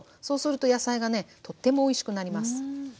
そうすると野菜がねとってもおいしくなります。